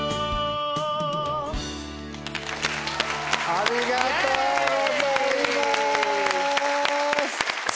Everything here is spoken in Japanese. ありがとうございます！